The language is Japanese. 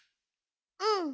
うん。